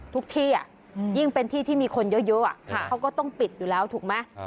ทุกที่ยิ่งเป็นที่ที่มีคนเยอะเขาก็ต้องปิดอยู่แล้วถูกไหม